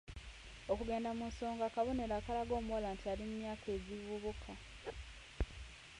Okugenda mu nsonga kabonero akalaga omuwala nti ali mu myaka egivubuka.